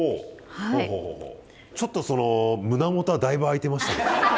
ちょっとその胸元はだいぶ開いてましたけどね。